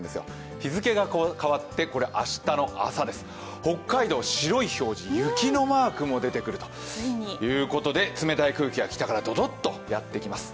日付が変わってこれ、明日の朝です、北海道、白い表示、雪のマークも出てくるということで冷たい空気が北からドドッとやってきます。